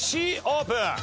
Ｃオープン。